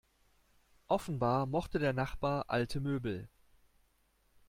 Offenbar mochte der Nachbar alte Möbel.